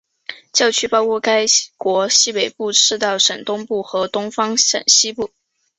教区包括该国西北部赤道省东部和东方省西部。